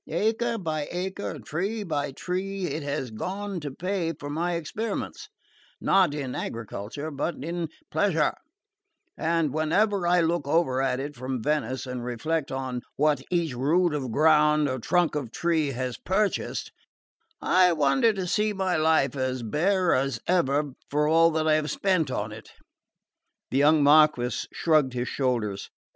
Acre by acre, tree by tree, it has gone to pay for my experiments, not in agriculture but in pleasure; and whenever I look over at it from Venice and reflect on what each rood of ground or trunk of tree has purchased, I wonder to see my life as bare as ever for all that I have spent on it." The young Marquess shrugged his shoulders.